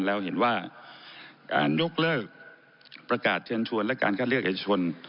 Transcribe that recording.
แล้วเห็นว่าการยกเลิกประกาศเชิญชวนและการคัดเลือกเอกชน